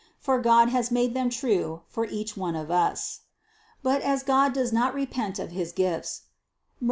For God has made them true for each one of us. 259. But as God does not repent of his gifts (Rom.